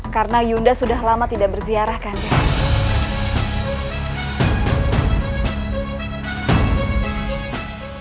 karena yunda sudah lama tidak berziarah kandai